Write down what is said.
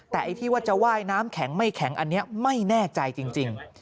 แต่ไอ้ที่ว่าจะว่ายน้ำแข็งไม่แข็งอันนี้ไม่แน่ใจจริง